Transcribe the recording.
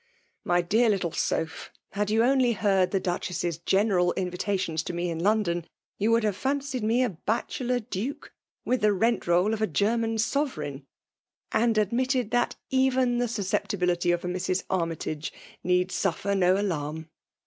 ^ My dear little Soph, had you only heard the Duchess's general invitations to me in Lon don, you would have fwcied me a badielor duke, with the rent roll of a Grerman sove reign ; and admitted that even the susceptibi lity of a Mrs. Armytage need suffer no alarm."